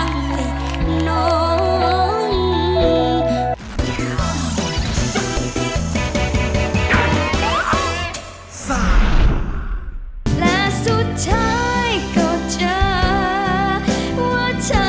ขอบคุณค่ะ